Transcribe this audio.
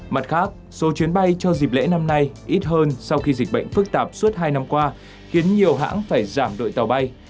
mặt khác số chuyến bay cho dịp lễ năm nay ít hơn sau khi dịch bệnh phức tạp suốt hai năm qua khiến nhiều hãng phải giảm đội tàu bay